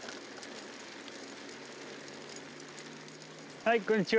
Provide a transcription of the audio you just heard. はいこんにちは。